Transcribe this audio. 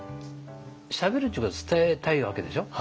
しゃべるっちゅうことは伝えたいわけでしょ。